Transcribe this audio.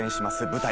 舞台